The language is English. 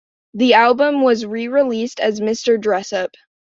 The album was re-released as Mr. Dress-Up.